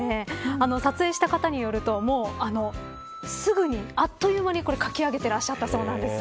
撮影した方によるとすぐに、あっという間に書き上げてらっしゃったそうです。